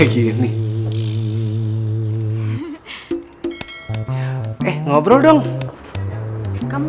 gimana sih gani yang lain